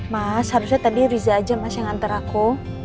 mas harusnya tadi riza aja yang nganter aku